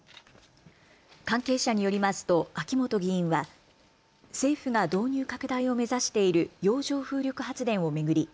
関係者によりますと秋本議員は政府が導入拡大を目指している洋上風力発電を巡り